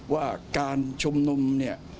ว่าการชุมนุมเนี่ย